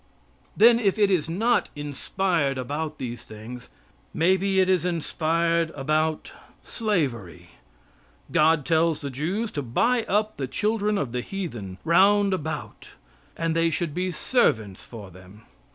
Then, if it is not inspired about these things, may be it is inspired about slavery. God tells the Jews to buy up the children of the heathen round about and they should be servants for them.